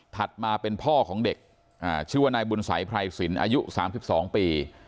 มาเป็นพ่อของเด็กชื่อว่านายบุญสัยไพรสินอายุ๓๒ปี